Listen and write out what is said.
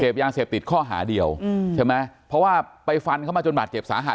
ยาเสพติดข้อหาเดียวใช่ไหมเพราะว่าไปฟันเข้ามาจนบาดเจ็บสาหัส